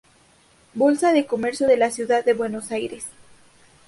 Bolsa de Comercio de la ciudad de Buenos Aires.